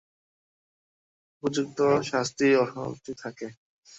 উপযুক্ত শাস্তি অসমাপ্তই থাকে।